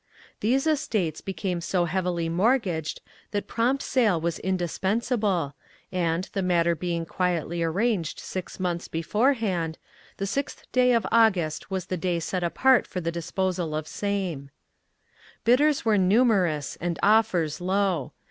These estates became so heavily mortgaged that prompt sale was indispensable, and, the matter being quietly arranged six months beforehand, the sixth day of August was the day set apart for the disposal of same. Bidders were numerous and offers low.